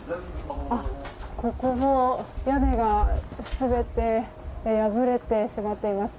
ここも屋根が全て破れてしまっています。